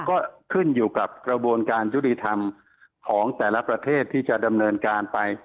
ก็ขึ้นอยู่กับกระบวนการยุติธรรมของแต่ละประเทศที่จะดำเนินการไป